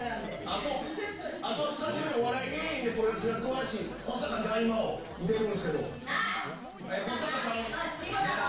あとはスタジオにお笑い芸人でプロレスが詳しい古坂大魔王いてるんすけど。